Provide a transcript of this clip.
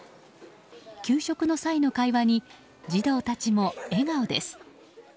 給食の際の会話に児童たちも笑顔です。